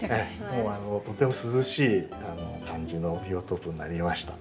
とても涼しい感じのビオトープになりました。